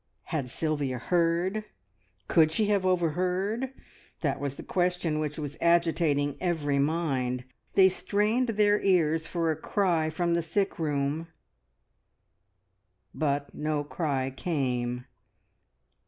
Had Sylvia heard? Could she have overheard? That was the question which was agitating every mind. They strained their ears for a cry from the sick room, but no cry came.